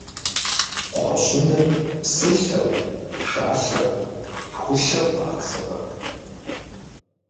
Кхъуэщыныр псылъэу, шалъэу, шхулъэу къагъэсэбэп.